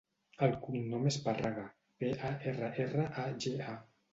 El cognom és Parraga: pe, a, erra, erra, a, ge, a.